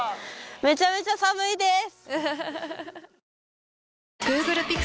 めちゃめちゃ寒いです！